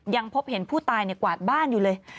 ยังพบเห็นผู้ตายกวาดบ้านอยู่เลย